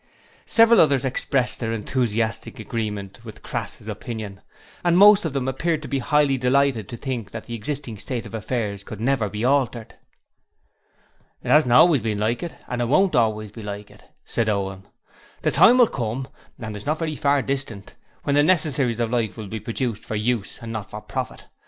Several others expressed their enthusiastic agreement with Crass's opinion, and most of them appeared to be highly delighted to think that the existing state of affairs could never be altered. 'It hasn't always been like it, and it won't always be like it,' said Owen. 'The time will come, and it's not very far distant, when the necessaries of life will be produced for use and not for profit.